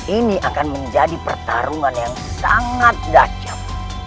ini akan menjadi pertarungan yang sangat dacap